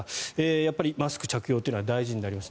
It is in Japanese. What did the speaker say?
やっぱりマスク着用というのは大事になります。